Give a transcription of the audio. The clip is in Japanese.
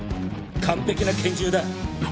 完璧な拳銃だ。